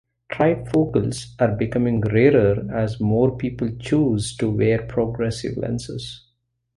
Trifocals are becoming rarer as more people choose to wear progressive lenses.